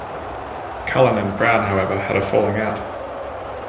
Cullen and Brown, however, had a falling out.